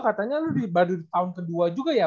katanya ini baru tahun kedua juga ya